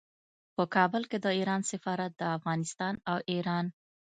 په کابل کې د ایران سفارت د افغانستان او ایران